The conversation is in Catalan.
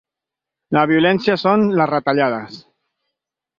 La violència són les retallades